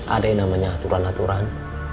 ada yang namanya aturan aturan